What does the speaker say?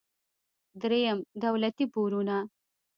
دریم: دولتي پورونه.